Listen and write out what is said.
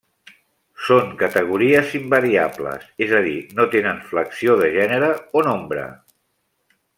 Són categories invariables, és a dir, no tenen flexió de gènere o nombre.